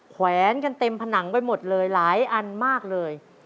แขวนกันเต็มผนังไปหมดเลยหลายอันมากเลย